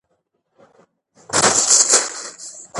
خوست مې ښکلی دی